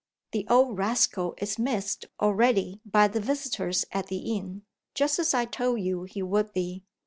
The old rascal is missed already by the visitors at the inn, just as I told you he would be.